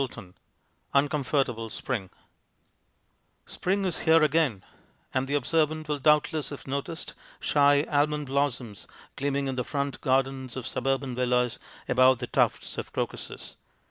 XXIII UNCOMFORTABLE SPRING SPRING is here again, and the observant will doubtless have noticed shy almond blossoms gleaming in the front gardens of suburban villas above the tufts of crocuses.